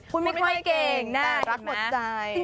คุณไม่ค่อยเก่งน่ารักหมดใจ